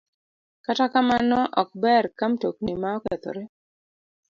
Kata kamano ok ber ka mtokni ma okethore